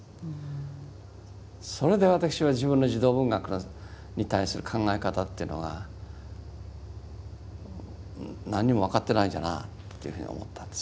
それで私は自分の児童文学に対する考え方というのが何にも分かってないんじゃなというふうに思ったんです。